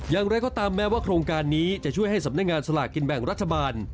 อย่างไรก็ตามแม้ว่าโครงการนี้จะช่วยให้สำนักงานสลากกินแบ่งรัฐบาล